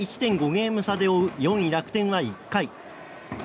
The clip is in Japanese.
ゲーム差で追う４位、楽天は１回。